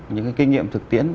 những kinh nghiệm thực tiễn